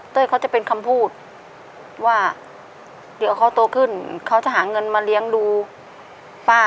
เขาจะเป็นคำพูดว่าเดี๋ยวเขาโตขึ้นเขาจะหาเงินมาเลี้ยงดูป้า